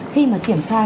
khi mà triển khai